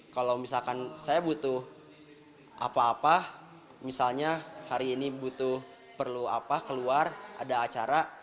kalau misalkan saya butuh apa apa misalnya hari ini butuh perlu apa keluar ada acara